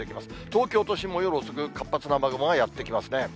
東京都心も夜遅く、活発な雨雲がやって来ますね。